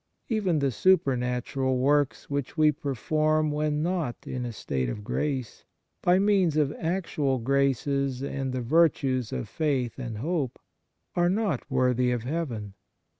Even the supernatural works which we perform when not in a state of grace, by means of actual graces and the virtues of faith and hope, are not worthy of heaven.